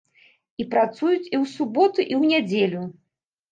І працуюць і ў суботу, і ў нядзелю.